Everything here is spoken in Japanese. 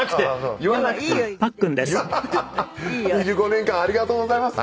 ２５年間ありがとうございます。